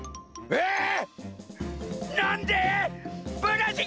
えっ？